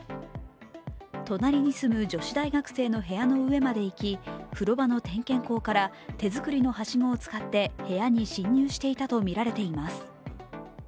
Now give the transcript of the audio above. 隣に住む女子大学生の部屋の上まで行き風呂場の点検口から手作りのはしごを使って部屋に侵入していたとみられています。